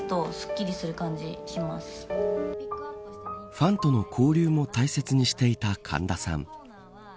ファンとの交流も大切にしていた神田さん。